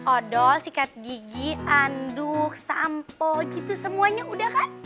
odol sikat gigi aduk sampo gitu semuanya udah kan